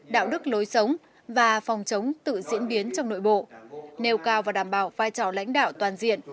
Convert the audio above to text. đạo đức lối sống và phòng chống tự diễn biến trong nội bộ nêu cao và đảm bảo vai trò lãnh đạo toàn diện